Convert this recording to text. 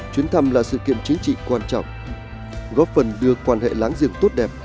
chuyến thăm là sự kiện chính trị quan trọng góp phần đưa quan hệ láng giềng tốt đẹp